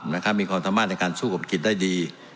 มีความสามารถในการสู้กับกิจได้ดี